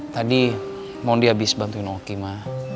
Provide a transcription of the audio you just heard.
tadi monde habis bantuin oki ma